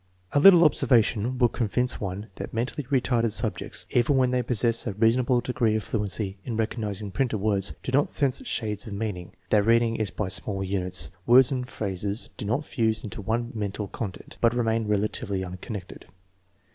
1 <^A little observation will convince one that mentally re tarded subjects, even when they possess a reasonable degree of fluency in recognizing printed words, do not sense shades of meaning.) Their reading is by small units. Words and phrases do not fuse into one mental content, but remain relatively unconnected.